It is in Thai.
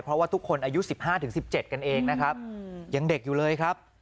เพราะว่าทุกคนอายุ๑๕๑๗กันเองนะครับยังเด็กอยู่เลยครับ